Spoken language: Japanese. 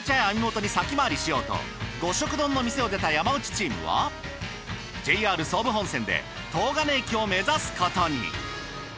網元に先回りしようと五色丼の店を出た山内チームはＪＲ総武本線で東金駅を目指すことに。